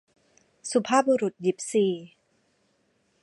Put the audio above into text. สุภาพบุรุษยิปซี